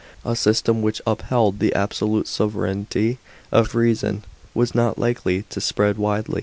A system which upheld the absolute sovranty of reason, was not likely to spread widely.